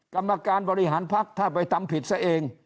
กรรมการบริหารพักถ้าไปทำผิดซะเอง